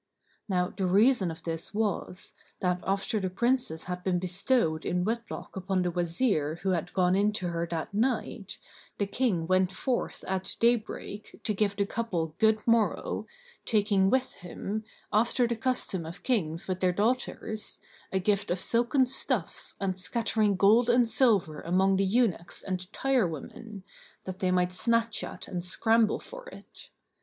Now the reason of this was, that after the Princess had been bestowed in wedlock upon the Wazir who had gone in to her that night, the King went forth at daybreak, to give the couple good morrow, taking with him, after the custom of Kings with their daughters, a gift of silken stuffs and scattering gold and silver among the eunuchs and tire women, that they might snatch at and scramble for it.